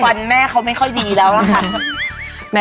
ควันแม่เขาไม่ดีแล้วค่ะ